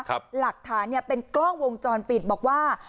ครับหลักฐานเนี่ยเป็นกล้องวงจรปิดบอกว่า